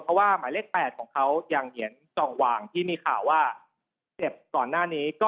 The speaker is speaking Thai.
เพราะว่าหมายเลข๘ของเขาอย่างเหยียนจ่องหว่างที่มีข่าวว่าเจ็บก่อนหน้านี้